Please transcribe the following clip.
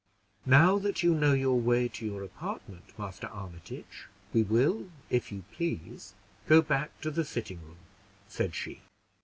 "Now that you know your way to your apartment, Master Armitage, we will, if you please, go back to the sitting room," said she.